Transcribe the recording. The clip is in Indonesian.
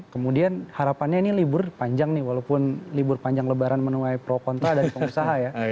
kemudian harapannya ini libur panjang nih walaupun libur panjang lebaran menuai pro kontra dari pengusaha ya